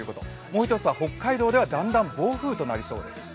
もう一つは北海道ではだんだん暴風雨となりそうです。